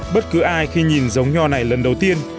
bất cứ ai khi nhìn giống nho này lần đầu tiên